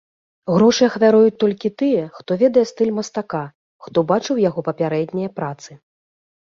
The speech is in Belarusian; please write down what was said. Грошы ахвяруюць толькі тыя, хто ведае стыль мастака, хто бачыў яго папярэднія працы.